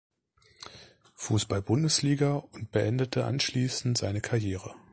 Fußball-Bundesliga und beendete anschließend seine Karriere.